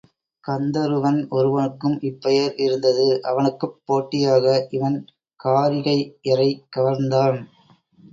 கந்தருவன் ஒருவனுக்கும் இப்பெயர் இருந்தது அவனுக்குப் போட்டியாக இவன் காரிகையரைக் கவர்ந்தான்.